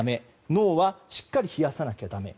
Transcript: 脳はしっかり冷やさなきゃだめ。